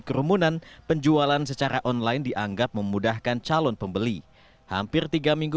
kerumunan penjualan secara online dianggap memudahkan calon pembeli hampir tiga minggu